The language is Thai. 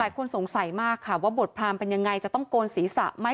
คนสงสัยมากค่ะว่าบทพรามเป็นยังไงจะต้องโกนศีรษะไหม